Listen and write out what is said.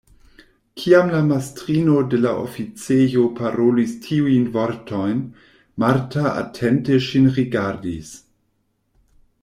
Kiam la mastrino de la oficejo parolis tiujn vortojn, Marta atente ŝin rigardis.